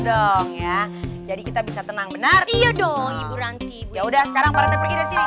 dong ya jadi kita bisa tenang benar iya dong ibu ranki ya udah sekarang paretnya pergi dari sini